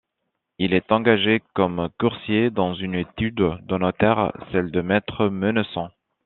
Il est engagé comme coursier dans une étude de notaire, celle de maître Mennesson.